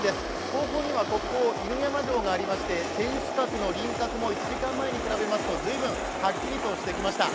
後方には犬山城がありました天守閣の輪郭も１時間前に比べますと随分はっきりとしてきました。